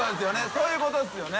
そういうことですよね。